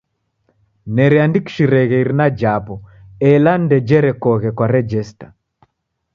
Nereandikishireghe irina japo ela ndejerekoghe kwa rejesta.